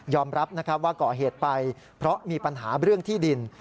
รับนะครับว่าก่อเหตุไปเพราะมีปัญหาเรื่องที่ดิน